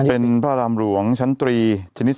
เป็นพระลำหลวงชั้น๓ชนิด๓มัน